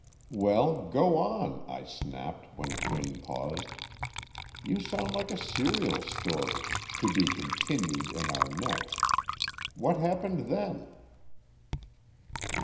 "Well, go on!" I snapped, when Quinn paused. "You sound like a serial story to be continued in our next. What happened then?"